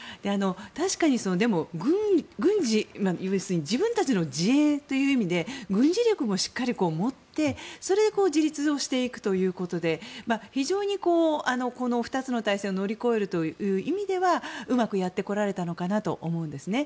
確かに軍事、要するに自分たちの自衛という意味で軍事力もしっかり持って、それで自立をしていくということで非常に２つの大戦を乗り越えるという意味ではうまくやってこられたのかなと思うんですね。